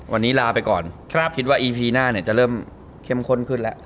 วันนี้ลาไปก่อนคิดว่าอีพีหน้าเนี่ยจะเริ่มเข้มข้นขึ้นแล้ว